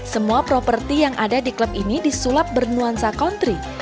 semua properti yang ada di klub ini disulap bernuansa country